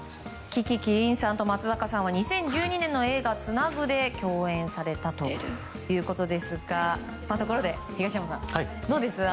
樹木希林さんと松坂さんは２０１２年の映画「ツナグ」で共演されたということですがところで東山さんどうです？